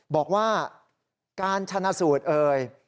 บอกว่าการชนะสูตรเอ่ย